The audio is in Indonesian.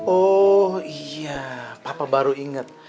oh iya papa baru inget